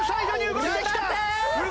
動いてきた！